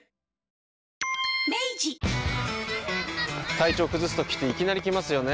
体調崩すときっていきなり来ますよね。